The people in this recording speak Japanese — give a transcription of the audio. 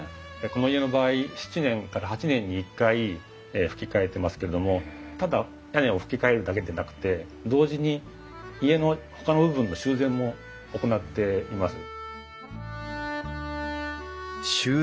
この家の場合７年から８年に一回ふき替えてますけれどもただ屋根をふき替えるだけでなくて同時に家のほかの部分の修繕も行っています。